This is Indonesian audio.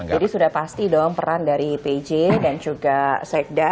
jadi sudah pasti peran dari pj dan juga sekedar